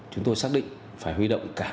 chúng tôi xác định phải huy động cả